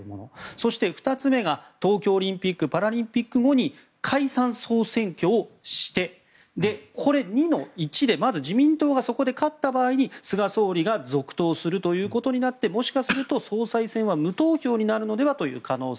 そして２つ目が東京オリンピック・パラリンピック後に解散・総選挙をしてこれ、２の１でまず自民党がそこで勝った場合に菅総理が続投することになってもしかすると総裁選は無投票になるのではという可能性。